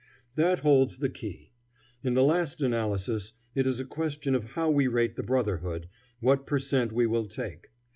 That holds the key. In the last analysis it is a question of how we rate the brotherhood, what per cent we will take.